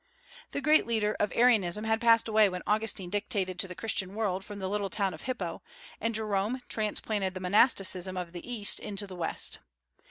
The great leader of Arianism had passed away when Augustine dictated to the Christian world from the little town of Hippo, and Jerome transplanted the monasticism of the East into the West.